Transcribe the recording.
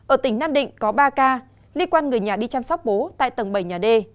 ở tỉnh nam định có ba ca liên quan người nhà đi chăm sóc bố tại tầng bảy nhà d